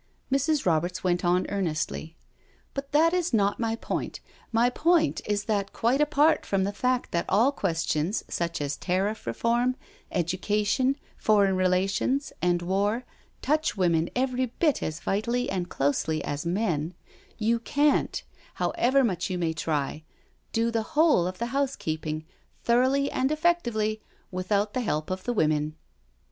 Mrs. Roberts went on earnestly: " But that is not my point — my point is that quite apart from the fact that all questions such as tariff reform, education, foreign relations, and war, touch women every bit as vitally and closely as men, you canH, however much you may try, do the whole of the housekeeping thoroughly and effectively without the help of the women."